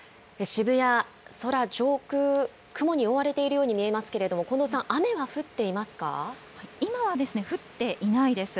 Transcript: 渋谷、空上空、雲に覆われているように見えますけれども、近藤さん、雨は降って今は降っていないです。